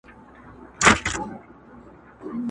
نن څراغه لمبې وکړه پر زړګي مي ارمانونه!.